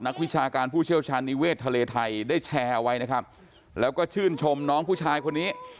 วิชาการผู้เชี่ยวชาญนิเวศทะเลไทยได้แชร์เอาไว้นะครับแล้วก็ชื่นชมน้องผู้ชายคนนี้